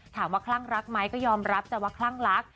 ถามว่าคลั่งรักไหมก็ยอมรับจะว่าคลั่งรัก